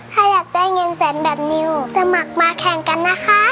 ถ้าอยากได้เงินแสนแบบนิวสมัครมาแข่งกันนะคะ